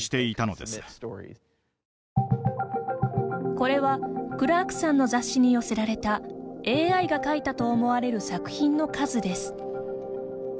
これはクラークさんの雑誌に寄せられたＡＩが書いたと思われる作品の数です。